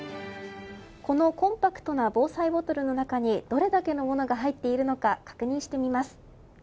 このコンパクトな防災ボトルの中にどれだけのものが入っているのか確認してみます。